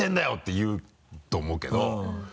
て言うと思うけど。